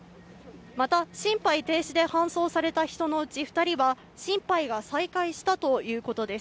また心肺停止で搬送された人のうち、２人は心肺が再開したということです。